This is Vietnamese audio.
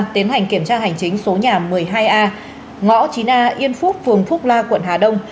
tiến hành kiểm tra hành chính số nhà một mươi hai a ngõ chín a yên phúc phường phúc la quận hà đông